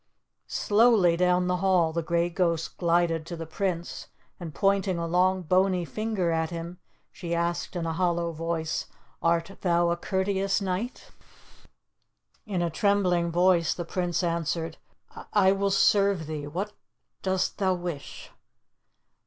Slowly down the hall the grey ghost glided to the Prince, and pointing a long, bony finger at him, she asked in a hollow voice, "Art thou a courteous knight?" In a trembling voice the Prince answered, "I will serve thee. What dost thou wish?"